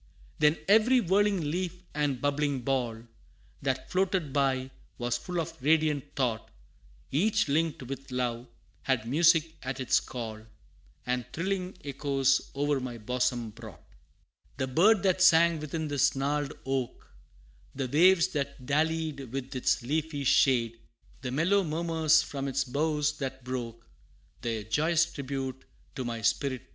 Then every whirling leaf and bubbling ball, That floated by, was full of radiant thought; Each linked with love, had music at its call, And thrilling echoes o'er my bosom brought. The bird that sang within this gnarled oak, The waves that dallied with its leafy shade, The mellow murmurs from its boughs that broke, Their joyous tribute to my spirit paid.